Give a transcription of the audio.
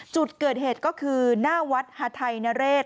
จุดเกิดเหตุก็คือหน้าวัดฮาไทยนเรศ